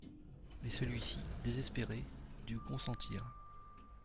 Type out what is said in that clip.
Et celui-ci, désespéré, dut consentir.